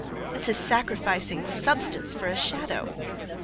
This is sacrificing the substance for a shadow.